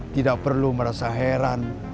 tidak perlu merasa heran